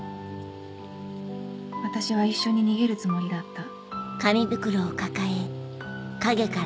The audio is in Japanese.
私は一緒に逃げるつもりだった。